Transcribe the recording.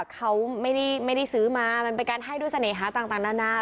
เขาไม่ได้ซื้อมามันเป็นการให้ด้วยเสน่หาต่างนานา